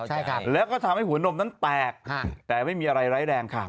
ใช่ครับแล้วก็ทำให้หัวนมนั้นแตกแต่ไม่มีอะไรร้ายแรงค่ะ